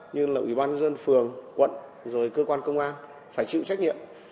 như là ủy ban nhân dân phường quận rồi cơ quan công an phải chịu trách nhiệm